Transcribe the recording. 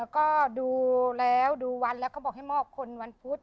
ก็ดูแล้วดูวันแล้วเขาบอกให้มอบคนวันพุธ